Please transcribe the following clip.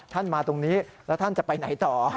มาตรงนี้แล้วท่านจะไปไหนต่อ